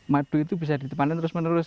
madu itu bisa ditepanin terus menerus